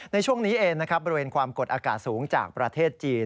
ในช่วงนี้เองนะครับบริเวณความกดอากาศสูงจากประเทศจีน